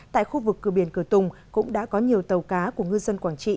tại khu vực cửa biển cửa tùng cũng đã có nhiều tàu cá của ngư dân quảng trị